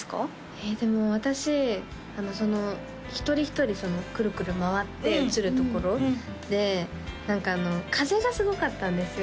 えでも私その一人一人クルクル回って映るところで風がすごかったんですよ